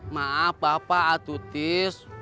maaf bapak atuh tis